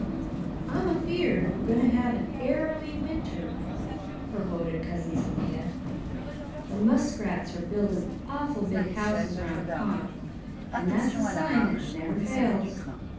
"I'm afeared we're going to have an airly winter," foreboded Cousin Sophia. "The muskrats are building awful big houses round the pond, and that's a sign that never fails.